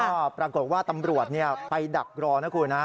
ก็ปรากฏว่าตำรวจไปดักรอนะคุณฮะ